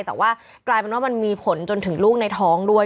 แต่ว่ากลายเป็นว่ามันมีผลจนถึงลูกในท้องด้วย